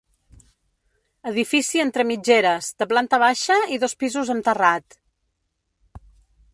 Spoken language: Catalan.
Edifici entre mitgeres, de planta baixa i dos pisos amb terrat.